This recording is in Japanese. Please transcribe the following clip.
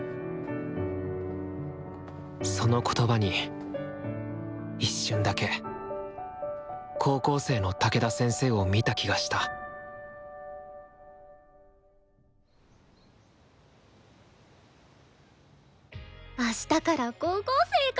その言葉に一瞬だけ高校生の武田先生を見た気がしたあしたから高校生か。